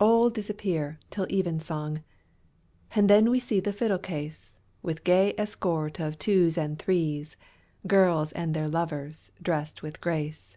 All disappear till evensong, And then we see the fiddle case, With gay escort of twos and threes, Girls and their lovers drest with grace.